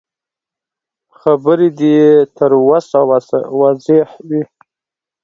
خبرې دې يې تر وسه وسه واضح وي.